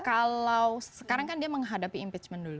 kalau sekarang kan dia menghadapi impeachment dulu